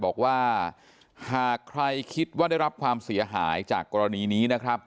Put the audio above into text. บอกว่าหากใครคิดว่าได้รับความเสียหายจากกรณีนี้นะครับ